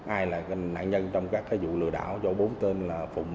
ai là nạn nhân trong các vụ lừa đảo cho bốn tên là phụng